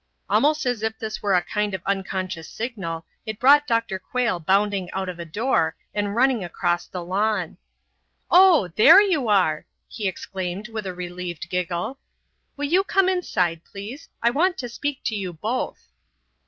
Almost as if this were a kind of unconscious signal, it brought Dr. Quayle bounding out of a door and running across the lawn. "Oh, there you are!" he exclaimed with a relieved giggle. "Will you come inside, please? I want to speak to you both."